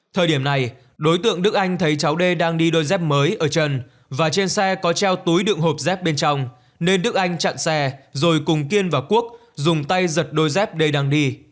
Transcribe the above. thời điểm này đối tượng đức anh thấy cháu đê đang đi đôi dép mới ở trần và trên xe có treo túi đựng hộp dép bên trong nên đức anh chặn xe rồi cùng kiên và quốc dùng tay giật đôi dép đây đang đi